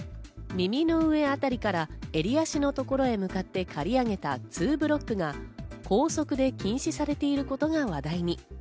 耳の上あたりから襟足の所へ向かって刈り上げたツーブロックが校則で禁止されていることが話題に。